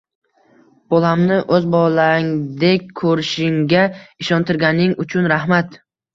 Bolamni o`z bolangdek ko`rishingga ishontirganing uchun ham rahmat